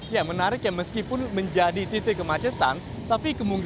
ya menarik ya meskipun menjadi titik kemacetan